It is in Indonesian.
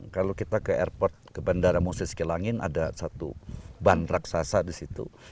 kalau kita ke airport ke bandara moses kilangin ada satu ban raksasa di situ